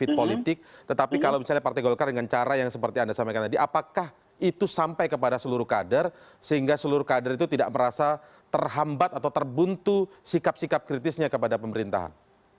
politik tetapi kalau misalnya partai golkar dengan cara yang seperti anda sampaikan tadi apakah itu sampai kepada seluruh kader sehingga seluruh kader itu tidak merasa terhambat atau terbuntu sikap sikap kritisnya kepada pemerintahan